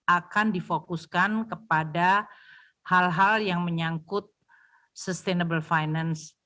akan dipotensi kepada hal hal yang menyangkut keuntungan keuntungan keuntungan